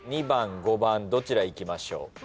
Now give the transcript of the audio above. ２番５番どちらいきましょう。